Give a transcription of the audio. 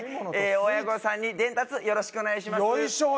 親御さんに伝達よろしくお願いしますよいしょ